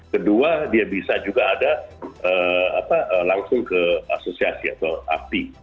kedua dia bisa juga langsung ke asosiasi atau api